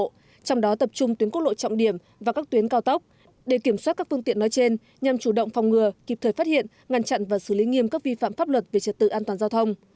trong đó tập trung tuyến quốc lộ trọng điểm và các tuyến cao tốc để kiểm soát các phương tiện nói trên nhằm chủ động phòng ngừa kịp thời phát hiện ngăn chặn và xử lý nghiêm các vi phạm pháp luật về trật tự an toàn giao thông